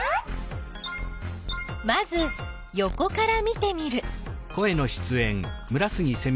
まずよこから見てみる。